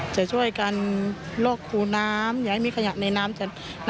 จะช่วยกันลวกคูน้ำอย่าให้มีขยะในน้ำกัน